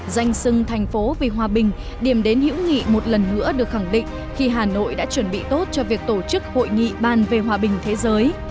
danh sưng thành phố vì hòa bình điểm đến hữu nghị một lần nữa được khẳng định khi hà nội đã chuẩn bị tốt cho việc tổ chức hội nghị ban về hòa bình thế giới